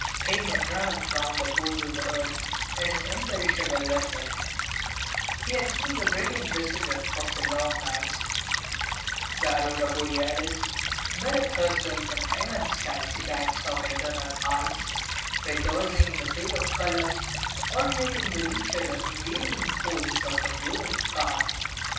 Heine had traveled round the poles of the earth in this imperishable vessel; he had seen the brilliant visitor of the long nights, the aurora borealis, mirror herself in the immense stalactites of eternal ice, rejoicing in the play of colors alternating with each other in the varying folds of her glowing scarf.